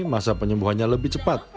masa penyembuhannya lebih cepat